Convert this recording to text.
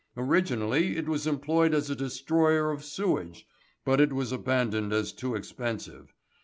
Originally it was employed as a destroyer of sewage, but it was abandoned as too expensive.